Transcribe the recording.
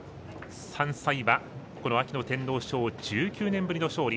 ３歳馬、秋の天皇賞１９年ぶりの勝利。